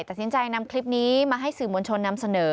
ตัดสินใจนำคลิปนี้มาให้สื่อมวลชนนำเสนอ